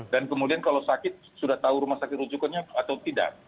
dan kemudian kalau sakit sudah tahu rumah sakit rujukannya atau tidak